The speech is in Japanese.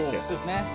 そうですね。